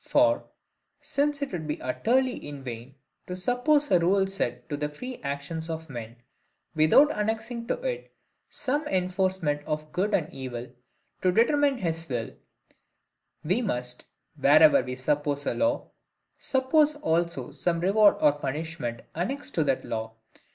For, since it would be utterly in vain to suppose a rule set to the free actions of men, without annexing to it some enforcement of good and evil to determine his will, we must, wherever we suppose a law, suppose also some reward or punishment annexed to that law.